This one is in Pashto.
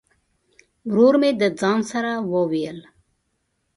ورور مي د ځان سره وویل !